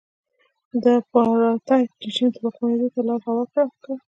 د اپارټاید رژیم واکمنېدو ته یې لار هواره کړه.